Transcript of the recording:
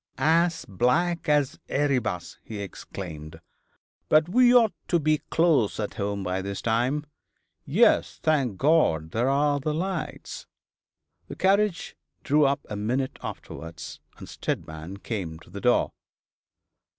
'As black as Erebus!' he exclaimed, 'but we ought to be close at home by this time. Yes, thank God, there are the lights.' The carriage drew up a minute afterwards, and Steadman came to the door.